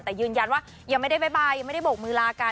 แต่ยืนยันว่ายังไม่ได้บ๊ายยังไม่ได้โบกมือลากัน